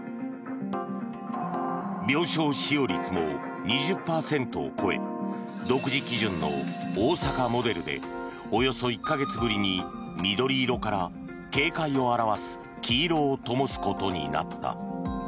病床使用率も２０％を超え独自基準の大阪モデルでおよそ１か月ぶりに緑色から警戒を表す黄色をともすことになった。